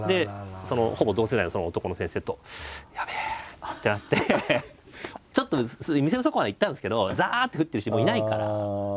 ほぼ同世代の男の先生とやべえってなってちょっと店の外までは行ったんですけどザって降ってるしもういないから。